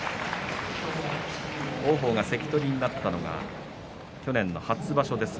王鵬が関取になったのが去年の初場所です。